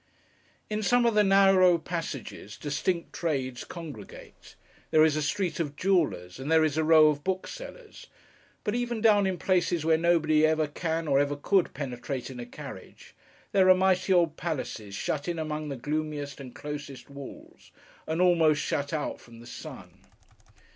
In some of the narrow passages, distinct trades congregate. There is a street of jewellers, and there is a row of booksellers; but even down in places where nobody ever can, or ever could, penetrate in a carriage, there are mighty old palaces shut in among the gloomiest and closest walls, and almost shut out from the sun.